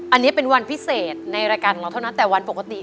อันนี้เป็นวันพิเศษในรายการของเราเท่านั้นแต่วันปกติ